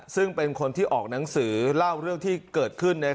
ซึ่งเป็นคนที่ออกหนังสือเล่าเรื่องที่เกิดขึ้น